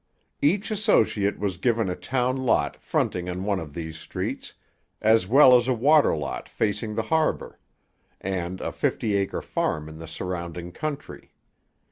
Each associate was given a town lot fronting on one of these streets, as well as a water lot facing the harbour, and a fifty acre farm in the surrounding country.